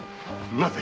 なぜ⁉